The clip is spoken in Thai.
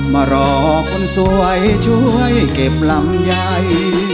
มารอคนสวยช่วยเก็บลำไย